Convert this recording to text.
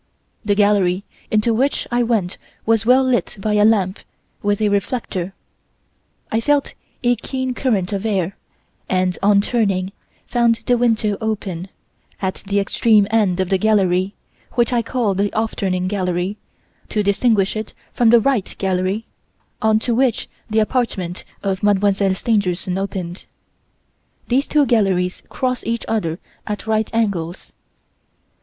"The gallery into which I went was well lit by a lamp with a reflector. I felt a keen current of air and, on turning, found the window open, at the extreme end of the gallery, which I call the 'off turning' gallery, to distinguish it from the 'right' gallery, on to which the apartment of Mademoiselle Stangerson opened. These two galleries cross each other at right angles.